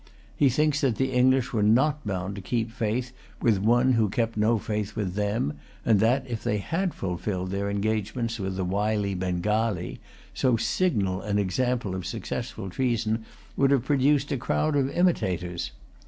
He thinks that the English were not bound to keep faith with one who kept no faith with them and that, if they had fulfilled their engagements with the wily Bengalee, so signal an example of successful treason would have produced a crowd of imitators.